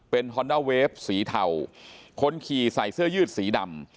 เป็นฮอนด้าเวฟสีเทาคนขี่ใส่เสื้อยืดสีดำ